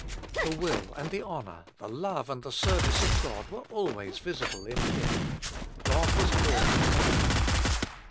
The will and the honour, the love and the service of God were always visible in Him. God was all to Him.